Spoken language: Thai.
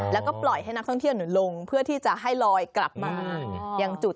แล้วก็ปล่อยให้นักท่องเที่ยวลงเพื่อที่จะให้ลอยกลับมาอย่างจุด